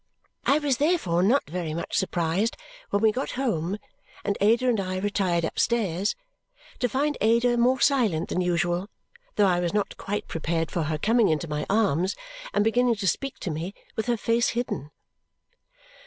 I was therefore not very much surprised when we got home, and Ada and I retired upstairs, to find Ada more silent than usual, though I was not quite prepared for her coming into my arms and beginning to speak to me, with her face hidden.